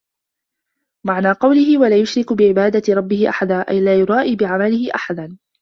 مَعْنَى قَوْلِهِ وَلَا يُشْرِكْ بِعِبَادَةِ رَبِّهِ أَحَدًا أَيْ لَا يُرَائِي بِعَمَلِهِ أَحَدًا